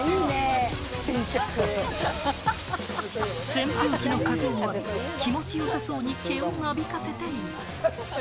扇風機の風を浴び、気持ち良さそうに毛をなびかせています。